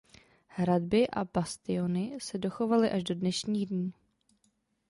Hradby a bastiony se dochovaly až do dnešních dní.